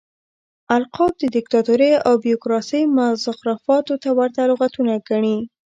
القاب د ديکتاتورۍ او بيروکراسۍ مزخرفاتو ته ورته لغتونه ګڼي.